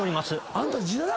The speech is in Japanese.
あんた。